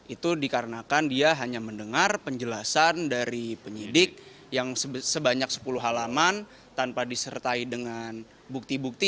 itu dikarenakan dia hanya mendengar penjelasan dari penyidik yang sebanyak sepuluh halaman tanpa disertai dengan bukti bukti